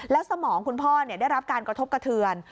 แล้วสมองคุณพ่อได้รับการกระทบกระเทือน